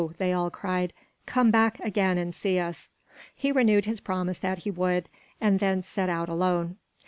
they all cried. "Come back again and see us!" He renewed his promise that he would; and then set out alone.